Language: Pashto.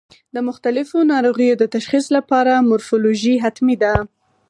د مختلفو ناروغیو د تشخیص لپاره مورفولوژي حتمي ده.